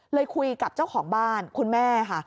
คุยกับเจ้าของบ้านคุณแม่ค่ะ